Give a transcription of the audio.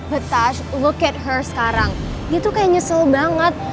but tash look at her sekarang dia tuh kayak nyesel banget